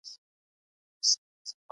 که ليکوال له ټولني لیري سي نو ناکامېږي.